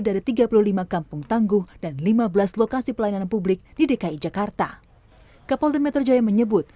dari tiga puluh lima kampung tangguh dan lima belas lokasi pelayanan publik di dki jakarta kapolda metro jaya menyebut